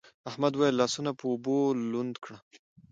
احمد وويل: لاسونه په اوبو لوند کړه.